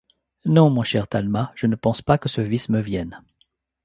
Non, mon cher Talma, je ne pense pas que ce vice me vienne.